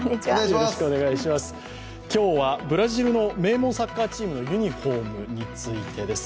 今日はブラジルの名門サッカーチームのユニフォームについてです。